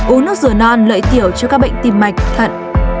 uống nước rửa non lợi tiểu cho các bệnh tim mạch thận